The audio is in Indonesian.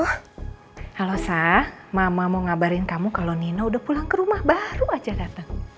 halo sah mama mau ngabarin kamu kalau nino udah pulang ke rumah baru aja datang